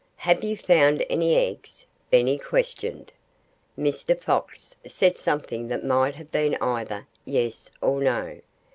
"Have you found any eggs?" Benny questioned. Mr. Fox said something that might have been either "Yes" or "No."